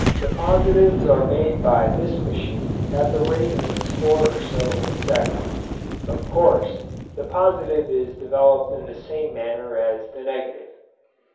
The positives are made by this machine at the rate of a score or so in a second. Of course, the positive is developed in the same manner as the negative.